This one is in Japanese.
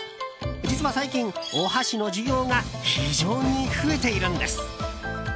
実は最近、お箸の需要が非常に増えているんです。